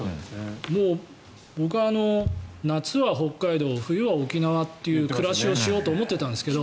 もう僕は、夏は北海道冬は沖縄という暮らしをしようと思ってたんですけど。